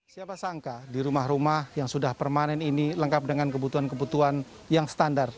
siapa sangka di rumah rumah yang sudah permanen ini lengkap dengan kebutuhan kebutuhan yang standar